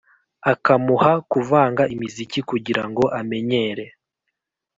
akamuha kuvanga imiziki kugira ngo amenyere